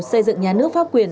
xây dựng nhà nước pháp quyền